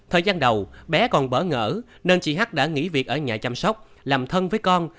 thời gian đầu bé còn bỡ ngỡ nên chị h đã nghỉ việc ở nhà chăm sóc làm thân với con